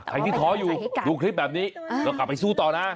ใครที่ท้ออยู่ดูคลิปแบบนี้เรากลับไปสู้ต่อนะ